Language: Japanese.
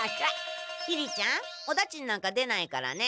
きりちゃんおだちんなんか出ないからね。